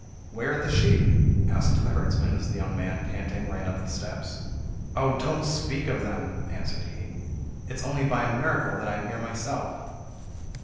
"Where are the sheep?" asked the herdsman as the young man ran panting up the steps. "Oh! don't speak of them," answered he. "It is only by a miracle that I am here myself."